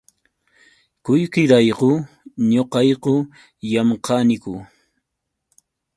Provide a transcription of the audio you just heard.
Qullqirayku ñuqayku llamkaniku.